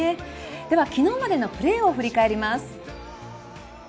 では、昨日までのプレーを振り返ります。